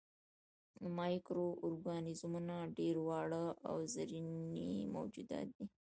مایکرو ارګانیزمونه ډېر واړه او زرېبيني موجودات دي.